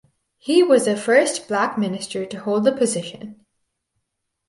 He was the first Black minister to hold the position.